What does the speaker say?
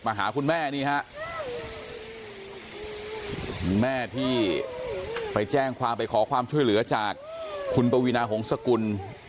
หาคุณแม่นี่ฮะคุณแม่ที่ไปแจ้งความไปขอความช่วยเหลือจากคุณปวีนาหงษกุล